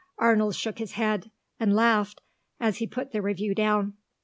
Arnold shook his head and laughed as he put the review down.